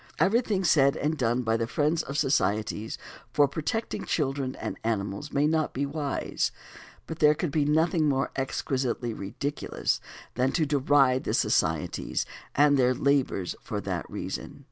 Everything said and done by the friends of the societies for protecting children and animals may not be wise; but there could be nothing more exquisitely ridiculous than to deride the societies and their labors for that reason.